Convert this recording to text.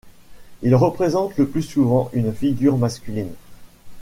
Il représente le plus souvent une figure masculine.